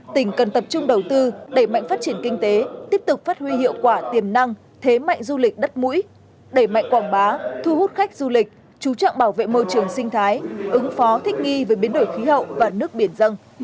tỉnh cần tập trung đầu tư đẩy mạnh phát triển kinh tế tiếp tục phát huy hiệu quả tiềm năng thế mạnh du lịch đất mũi đẩy mạnh quảng bá thu hút khách du lịch chú trọng bảo vệ môi trường sinh thái ứng phó thích nghi với biến đổi khí hậu và nước biển dân